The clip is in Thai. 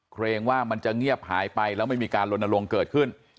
เกรงว่ามันจะเงียบหายไปแล้วไม่มีการลนลงเกิดขึ้น